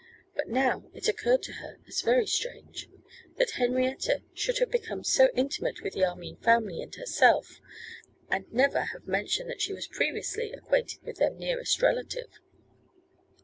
But now it occurred to her as very strange, that Henrietta should have become so intimate with the Armine family and herself, and never have mentioned that she was previously acquainted with their nearest relative.